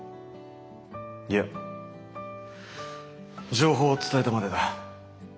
いや情報を伝えたまでだ。